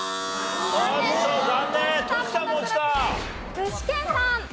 具志堅さん。